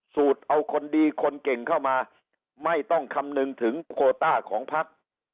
สูตรเอาคนดีคนเก่งเข้ามาไม่ต้องคำนึงถึงโคต้าของพัก